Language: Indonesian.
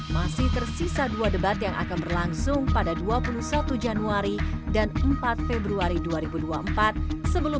masih tersisa dua debat yang akan berlangsung pada dua puluh satu januari dan empat februari dua ribu dua puluh empat sebelum